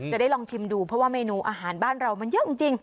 จะได้ลองชิมดูเพราะว่าเมนูอาหารบ้านเรามันเยอะจริง